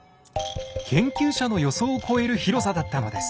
研究者の予想を超える広さだったのです。